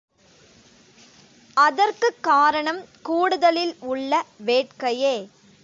அதற்குக் காரணம் கூடுதலில் உள்ள வேட்கையே.